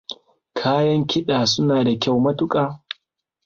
Kayan kiɗa suna da kyau makuta.